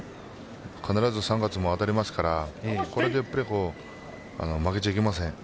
必ず３月も当たりますからこれで負けちゃいけません。